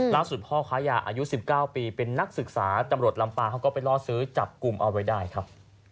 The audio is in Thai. พ่อค้ายาอายุ๑๙ปีเป็นนักศึกษาตำรวจลำปางเขาก็ไปล่อซื้อจับกลุ่มเอาไว้ได้ครับ